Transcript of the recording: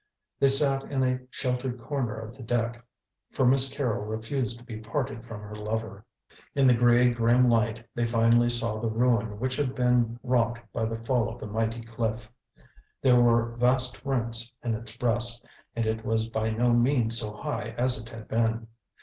They sat in a sheltered corner of the deck, for Miss Carrol refused to be parted from her lover. In the grey, grim light they finally saw the ruin which had been wrought by the fall of the mighty cliff. There were vast rents in its breast, and it was by no means so high as it had been.